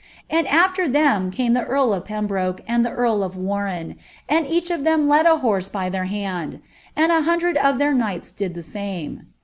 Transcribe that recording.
And after them came the earl of Pembroke and the ear! of Watiw, and each of them led a horse by their hand, and a hundred of their knights did the same.